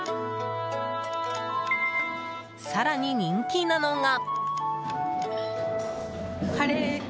更に人気なのが。